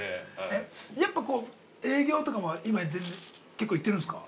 やっぱ、営業とかも結構行ってるんですか。